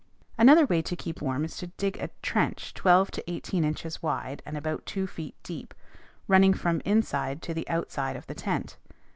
Another way to keep warm is to dig a trench twelve to eighteen inches wide, and about two feet deep, running from inside to the outside of the tent.